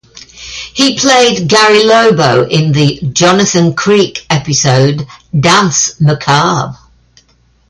He played Gary Lobo in the "Jonathan Creek" episode "Danse Macabre".